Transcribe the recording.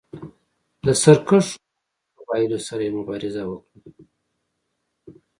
له سرکښو بدوي قبایلو سره یې مبارزه وکړه.